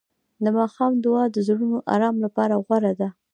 د ماښام دعا د زړونو آرام لپاره غوره ده.